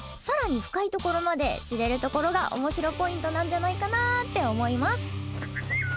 さらに深いところまで知れるところがおもしろポイントなんじゃないかなって思います。